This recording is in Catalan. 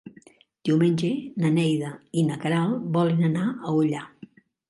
Diumenge na Neida i na Queralt volen anar a Ullà.